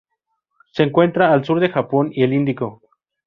Se encuentra al sur del Japón y el Índico.